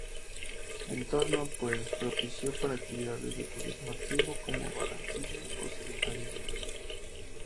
Entorno pues muy propicio para actividades de turismo activo como barranquismo o senderismo.